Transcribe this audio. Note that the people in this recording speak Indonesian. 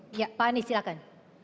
pak anies silahkan